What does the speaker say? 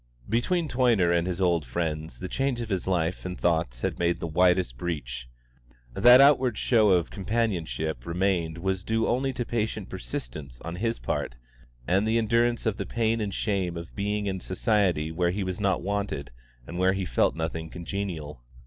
Between Toyner and his old friends the change of his life and thoughts had made the widest breach. That outward show of companionship remained was due only to patient persistence on his part and the endurance of the pain and shame of being in society where he was not wanted and where he felt nothing congenial.